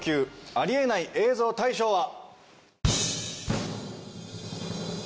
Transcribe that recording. ありえない映像大賞は。